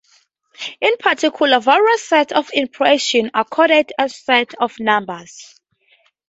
In particular, various "sets" of expressions are coded as sets of numbers.